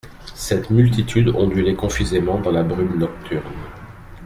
Cette multitude ondulait confusément dans la brume nocturne.